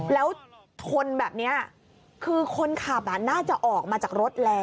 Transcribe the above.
แล้วชนแบบนี้คือคนขับน่าจะออกมาจากรถแล้ว